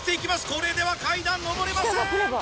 これでは階段上れません。